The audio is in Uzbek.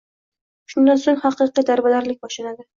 Shundan so`ng haqiqiy darbadarlik boshlanadi